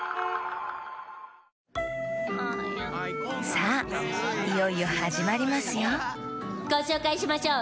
さあいよいよはじまりますよごしょうかいしましょう。